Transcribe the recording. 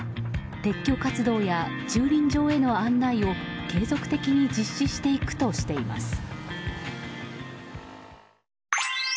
撤去活動や駐輪場への案内を継続的に実施していくとしています。